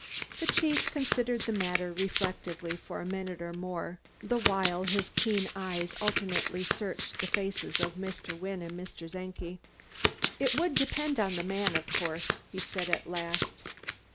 The chief considered the matter reflectively for a minute or more, the while his keen eyes alternately searched the faces of Mr. Wynne and Mr. Czenki. "It would depend on the man, of course," he said at last.